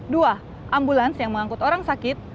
dua ambulans yang mengangkut orang sakit